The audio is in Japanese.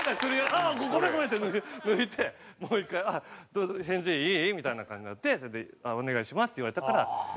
「ああごめんごめん」って抜いてもう１回「返事いい？」みたいな感じになってそれで「お願いします」って言われたから。